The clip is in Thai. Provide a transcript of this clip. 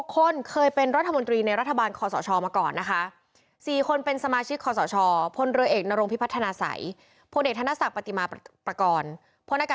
คนเคยเป็นรัฐมนตรีในรัฐบาลคอสชมาก่อนนะคะ